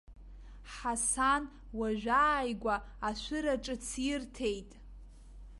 Ҳасан уажәы ааигәа ашәыра ҿыц ирҭеит.